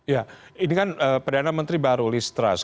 ya ini kan perdana menteri baru lee strauss